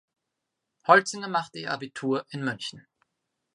Holzinger machte ihr Abitur in München.